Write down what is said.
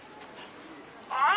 ああ！